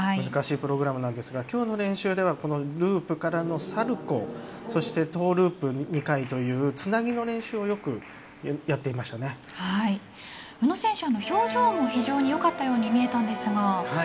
難しいプログラムなんですが今日の練習ではループからのサルコウそしてトゥループ２回というつなぎの練習を宇野選手は表情も非常によかったように見えたんですが。